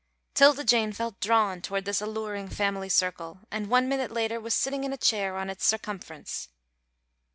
'Tilda Jane felt drawn toward this alluring family circle, and one minute later was sitting in a chair on its circumference.